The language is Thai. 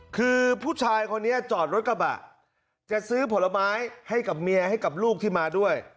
คือผู้ชายคนนี้จอดรถกระบะจะซื้อผลไม้ให้กับเมียให้กับลูกที่มาด้วย